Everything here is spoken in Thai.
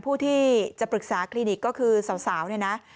ผู้ที่จะปรึกษาคลินิกก็คือสาวเนี่ยนะ